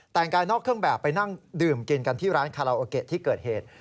แต่งกายนอกเครื่องแบบไปนั่งดื่มกินกันที่ร้านคาราโอเกะที่เกิดเหตุ